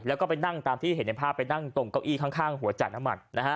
แล้วก็ไปนั่งตามที่เห็นในภาพไปนั่งตรงเก้าอี้ข้างหัวจ่ายน้ำมันนะฮะ